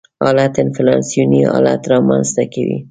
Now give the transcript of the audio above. حالت انفلاسیوني حالت رامنځته کوي.